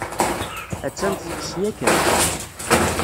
Ha-tt-an teṭṭes ya kan.